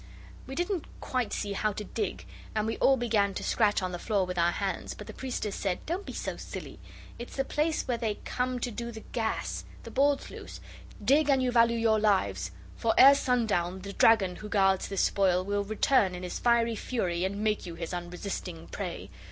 We didn't quite see how to dig, but we all began to scratch on the floor with our hands, but the priestess said, 'Don't be so silly! It's the place where they come to do the gas. The board's loose. Dig an you value your lives, for ere sundown the dragon who guards this spoil will return in his fiery fury and make you his unresisting prey.